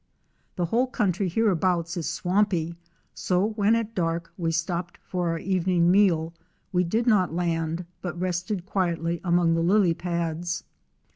The whole country hereabouts is swampy, so when at dark we stopped for our evening meal we did not land but rested quietly among the lily pads.